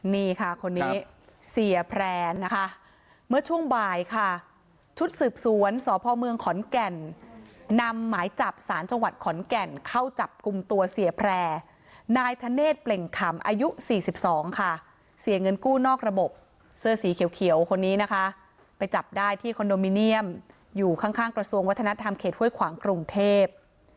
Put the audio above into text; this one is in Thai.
นี่ค่ะคนนี้เสียแพร่นะคะเมื่อช่วงบ่ายค่ะชุดสืบสวนสพเมืองขอนแก่นนำหมายจับสารจังหวัดขอนแก่นเข้าจับกลุ่มตัวเสียแพร่นายธเนธเปล่งขำอายุ๔๒ค่ะเสียเงินกู้นอกระบบเสื้อสีเขียวคนนี้นะคะไปจับได้ที่คอนโดมิเนียมอยู่ข้างกระทรวงวัฒนธรรมเขตห้วยขวางกรุงเทพ